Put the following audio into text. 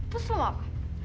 terus lo mau apa